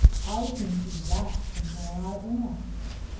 I can see that from where I am.